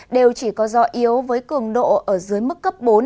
đều chỉ có gió yếu với cường độ ở dưới mức cấp bốn